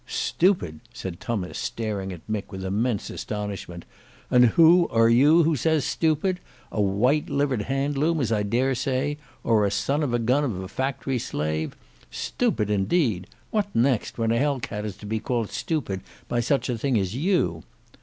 "Stupid!" said Tummas, staring at Mick with immense astonishment. "And who are you who says 'Stupid?' A white livered Handloom as I dare say, or a son of a gun of a factory slave. Stupid indeed! What next, when a Hell cat is to be called stupid by such a thing as you?"